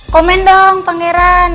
komen dong pangeran